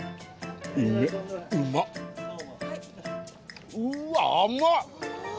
うわ甘っ！